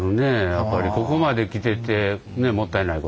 やっぱりここまで来ててもったいないことも。